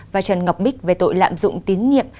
và trần ngọc bích về tội lạm dụng tín nhiệm